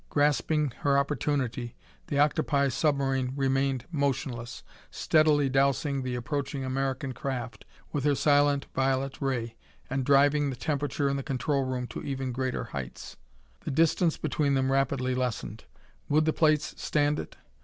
Grasping her opportunity, the octopi submarine remained motionless, steadily dousing the approaching American craft with her silent violet ray and driving the temperature in the control room to even greater heights. The distance between them rapidly lessened. Would the plates stand it?